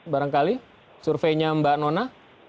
barangkali surveinya mbak nona